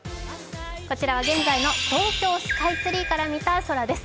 こちらは現在の東京スカイツリーから見た空です。